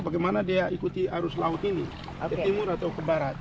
bagaimana dia ikuti arus laut ini ke timur atau ke barat